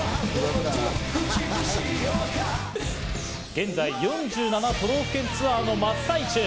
現在４７都道府県ツアーの真っ最中。